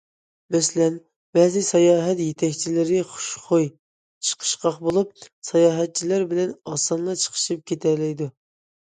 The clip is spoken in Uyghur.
مەسىلەن: بەزى ساياھەت يېتەكچىلىرى خۇشخۇي، چىقىشقاق بولۇپ، ساياھەتچىلەر بىلەن ئاسانلا چىقىشىپ كېتەلەيدۇ.